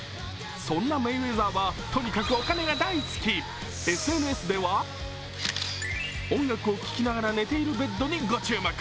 そんなメイウェザーはとにかくお金が大好きＳＮＳでは音楽を聴きながら寝ているベッドにご注目。